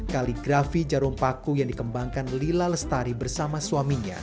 kaligrafi jarum paku yang dikembangkan lila lestari bersama suaminya